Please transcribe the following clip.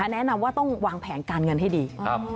แนะนำว่าต้องวางแผนการเงินให้ดี